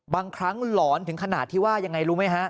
บางครั้งหลอนถึงขนาดที่ว่ายังไงรู้ไหมฮะ